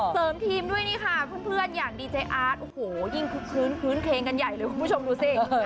เสริมทีมด้วยนี่ค่ะเพื่อนอย่างดีเจออาร์ตโอ้โหยิ่งคึกคลื้นคื้นเคงกันใหญ่เลยคุณผู้ชมดูสิ